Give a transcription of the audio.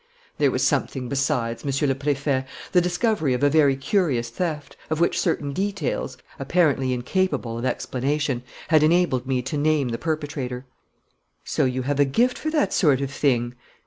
"There was something besides, Monsieur le Préfet: the discovery of a very curious theft, of which certain details, apparently incapable of explanation, had enabled me to name the perpetrator." "So you have a gift for that sort of thing?"